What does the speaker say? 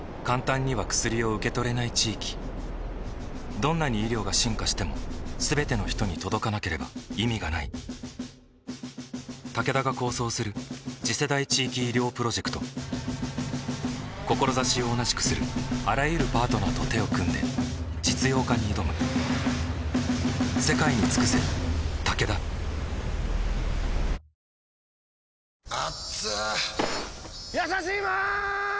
どんなに医療が進化しても全ての人に届かなければ意味がないタケダが構想する次世代地域医療プロジェクト志を同じくするあらゆるパートナーと手を組んで実用化に挑むやさしいマーン！！